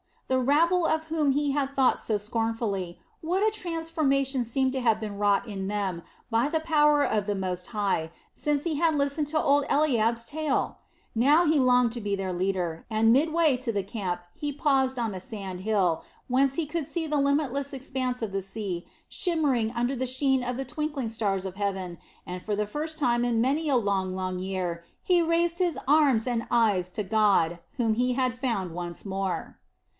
The rabble of whom he had thought so scornfully, what a transformation seemed to have been wrought in them by the power of the Most High, since he had listened to old Eliab's tale! Now he longed to be their leader, and midway to the camp he paused on a sand hill, whence he could see the limitless expanse of the sea shimmering under the sheen of the twinkling stars of heaven, and for the first time in many a long, long year, he raised his arms and eyes to the God whom he had found once more.